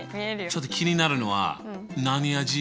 ちょっと気になるのは何味？